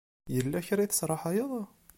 Yella kra i tesraḥayeḍ?